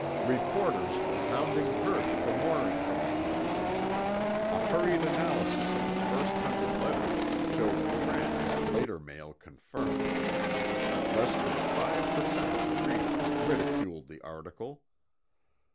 Reporters were hounding Purdy for more information. A hurried analysis of the first hundred letters showed a trend that later mail confirmed. Less than 5 per cent of the readers ridiculed the article.